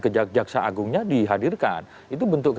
kejaksaan agungnya dihadirkan itu bentuk